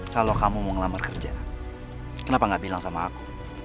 kalau kamu mau ngelamar kerja kenapa gak bilang sama aku